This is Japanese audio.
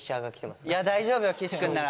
大丈夫よ岸君なら。